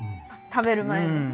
食べる前にね。